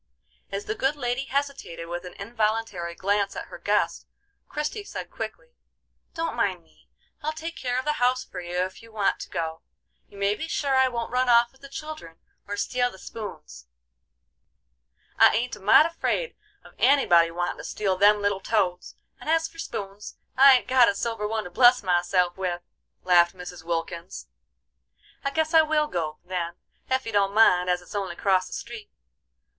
As the good lady hesitated with an involuntary glance at her guest, Christie said quickly: "Don't mind me; I'll take care of the house for you if you want to go. You may be sure I won't run off with the children or steal the spoons." "I ain't a mite afraid of anybody wantin' to steal them little toads; and as for spoons, I ain't got a silver one to bless myself with," laughed Mrs. Wilkins. "I guess I will go, then, ef you don't mind, as it's only acrost the street.